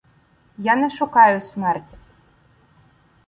Я не шукаю смерті.